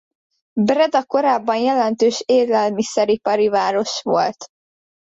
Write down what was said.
Breda korábban jelentős élelmiszeripari város volt.